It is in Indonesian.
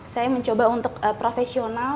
saya mencoba untuk profesional